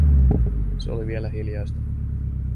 Se oli vielä hiljaista.